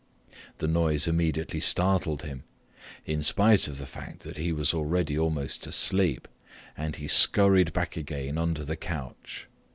The noise immediately startled him, in spite of the fact that he was already almost asleep, and he scurried back again under the couch.